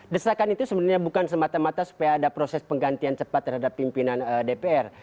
desakan itu sebenarnya bukan semata mata supaya ada proses penggantian cepat terhadap pimpinan dpr